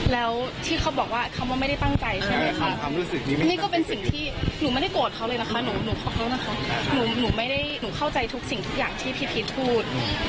แล้วที่เขาบอกว่าเขาไม่ได้ตั้งใจใช่ไหมค่ะนี่ก็เป็นสิ่งที่หนูไม่ได้โกรธเขาเลยนะคะหนูเข้าใจทุกสิ่งทุกอย่างที่พี่พีชพูด